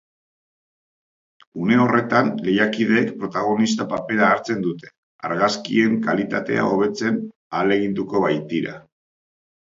Une horretan lehiakideek protagonista papera hartzen dute, argazkien kalitatea hobetzen ahaleginduko baitira.